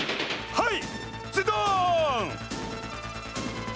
はい。